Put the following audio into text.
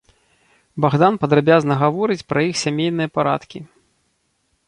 Багдан падрабязна гаворыць пра іх сямейныя парадкі.